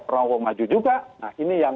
prabowo maju juga nah ini yang